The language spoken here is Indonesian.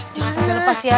jangan sampai lepas ya